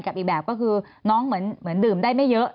อีกแบบก็คือน้องเหมือนดื่มได้ไม่เยอะ